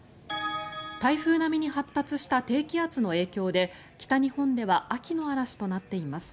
台風並みに発達した低気圧の影響で北日本では秋の嵐となっています。